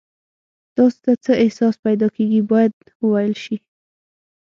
تاسو ته څه احساس پیدا کیږي باید وویل شي.